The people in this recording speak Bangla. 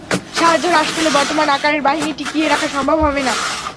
সাহায্য হ্রাস পেলে বর্তমান আকারের বাহিনী টিকিয়ে রাখা সম্ভব হবে না।